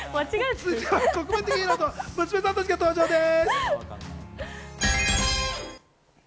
続いては国民的ヒーローと娘さんたちが登場です。